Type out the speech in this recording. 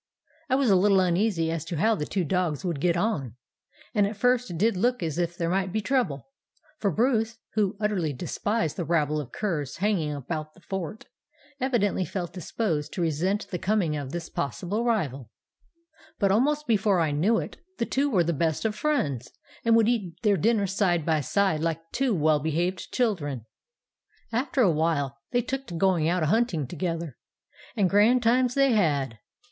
"I was a little uneasy as to how the two dogs would get on, and at first it did look as if there might be trouble, for Bruce, who utterly despised the rabble of curs hanging about the fort, evidently felt disposed to resent the coming of this possible rival; but almost before I knew it, the two were the best of friends, and would eat their dinner side by side like two well behaved children. "After a while they took to going out a hunting together, and grand times they had.